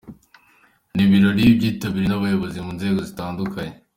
Ni ibirori byitabiriwe n'abayobozi mu nzego zitandukanye.